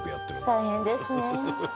大変ですねえ